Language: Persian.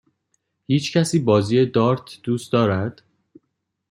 هیچکسی بازی دارت دوست دارد؟